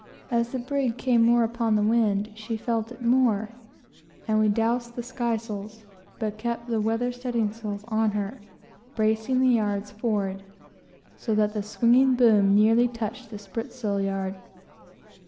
As the brig came more upon the wind, she felt it more, and we doused the sky sails, but kept the weather studding sails on her, bracing the yards forward so that the swinging boom nearly touched the sprit sail yard.